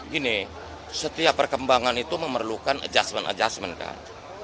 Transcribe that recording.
gini setiap perkembangan itu memerlukan adjustment adjustment kan